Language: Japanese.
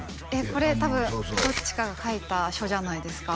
これ多分どっちかが書いた書じゃないですか？